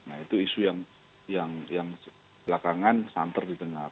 nah itu isu yang belakangan santer didengar